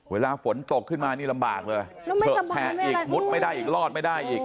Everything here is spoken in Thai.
เวลาฝนตกขึ้นมานี่ลำบากเลยเถอะแผะอีกมุดไม่ได้อีกรอดไม่ได้อีก